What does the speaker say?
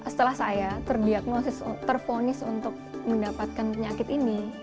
setelah saya terdiagnosis terfonis untuk mendapatkan penyakit ini